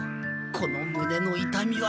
この胸のいたみは。